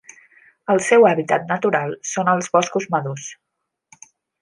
El seu hàbitat natural són els boscos madurs.